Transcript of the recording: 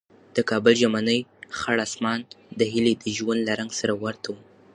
د کابل ژمنی خړ اسمان د هیلې د ژوند له رنګ سره ورته و.